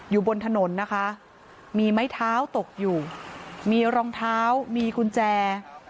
อยู่บนถนนนะคะมีไม้เท้าตกอยู่มีรองเท้ามีกุญแจ